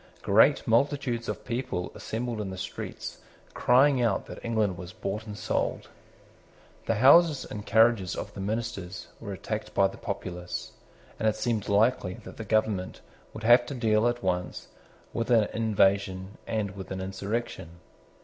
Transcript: Great multitudes of people assembled in the streets crying out that England was bought and sold. The houses and carriages of the ministers were attacked by the populace; and it seemed likely that the government would have to deal at once with an invasion and with an insurrection.